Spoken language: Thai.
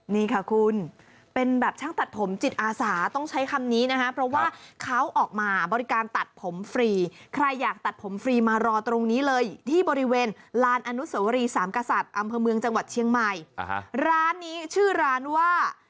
นี่ค่ะคุณเป็นแบบช่างตัดผมจิตอาสาต้องใช้คำนี้นะคะเพราะว่าเขาออกมาบริการตัดผมฟรีใครอยากตัดผมฟรีมารอตรงนี้เลยที่บริเวณลานอนุสวรีสามกษัตริย์อำเภอเมืองจังหวัดเชียงใหม่ร้านนี้ชื่อร้านว่า